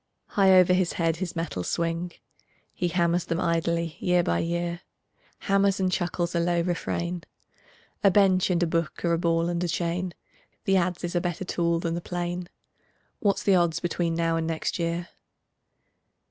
High over his head his metals swing; He hammers them idly year by year, Hammers and chuckles a low refrain: "A bench and a book are a ball and a chain, The adze is a better tool than the plane; What's the odds between now and next year?"